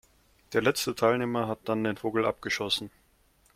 Der letzte Teilnehmer hat dann den Vogel abgeschossen.